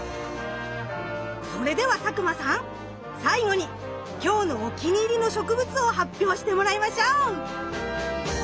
それでは佐久間さん最後に今日のお気に入りの植物を発表してもらいましょう！